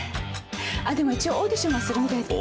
あっでも一応オーディションはするみたいですけど。